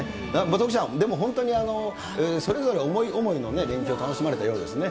徳ちゃん、でも本当に、それぞれ思い思いの連休を楽しまれたようですね。